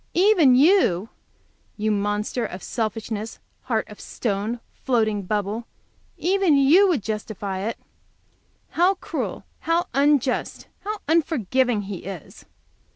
"Even you!" you monster of selfishness, heart of stone, floating bubble, "even you would justify it!" How cruel, how unjust, how unforgiving he is!